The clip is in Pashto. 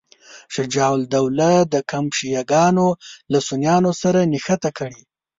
شجاع الدوله د کمپ شیعه ګانو له سنیانو سره نښته کړې.